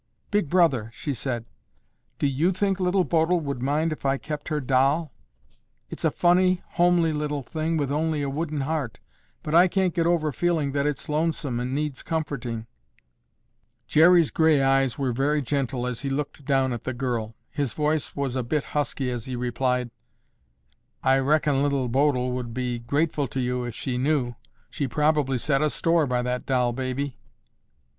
"Big Brother," she said, "do you think Little Bodil would mind if I kept her doll? It's a funny, homely little thing with only a wooden heart, but I can't get over feeling that it's lonesome and needs comforting." Jerry's gray eyes were very gentle as he looked down at the girl. His voice was a bit husky as he replied, "I reckon Little Bodil would be grateful to you if she knew. She probably set a store by that doll baby."